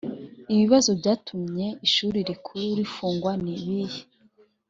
ibibazo byatumye ishuri rikuru rifungwa nibihe